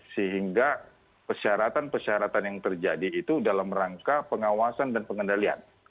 sehingga persyaratan persyaratan yang terjadi itu dalam rangka pengawasan dan pengendalian